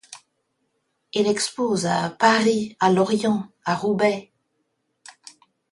Il expose à Paris, à Lorient, à Roubaix...